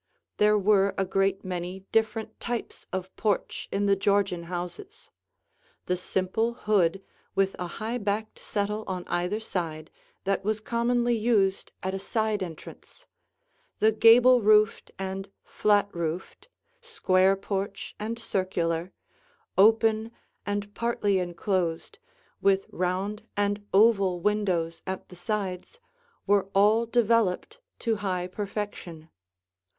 There were a great many different types of porch in the Georgian houses: the simple hood with a high backed settle on either side that was commonly used at a side entrance; the gable roofed and flat roofed, square porch and circular, open and partly enclosed, with round and oval windows at the sides, were all developed to high perfection.